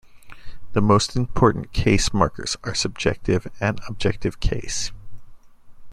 The most important case markers are subjective and objective case.